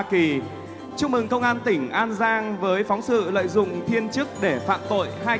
xin được chúc mừng công an tỉnh an giang với phóng sự lợi dụng thiên chức để phạm tội hai kỳ